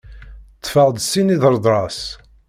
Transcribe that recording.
Ṭṭfeɣ-d sin idredras.